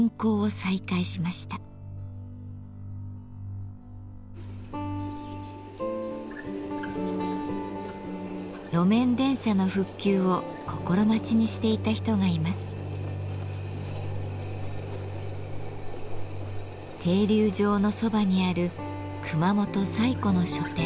停留場のそばにある熊本最古の書店。